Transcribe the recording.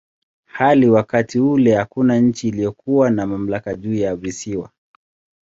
Hadi wakati ule hakuna nchi iliyokuwa na mamlaka juu ya visiwa.